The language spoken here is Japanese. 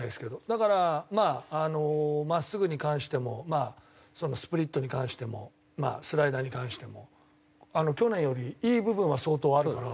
だからまああのまっすぐに関してもスプリットに関してもスライダーに関しても去年よりいい部分は相当あるかな。